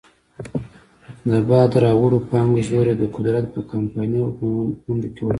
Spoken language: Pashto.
د باد راوړو پانګو زور یې د قدرت په کمپایني غویمنډ کې ولګاوه.